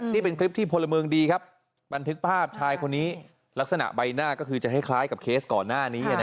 นี่เป็นคลิปที่พลเมืองดีครับบันทึกภาพชายคนนี้ลักษณะใบหน้าก็คือจะคล้ายกับเคสก่อนหน้านี้